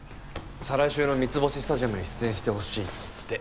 再来週の『三ツ星スタジアム』に出演してほしいって。